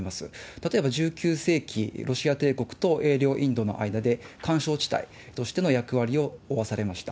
例えば１９世紀、ロシア帝国と英領インドの間で、緩衝地帯としての役割を負わされました。